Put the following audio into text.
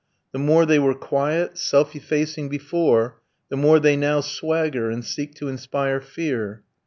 The more they were quiet, self effacing before, the more they now swagger and seek to inspire fear.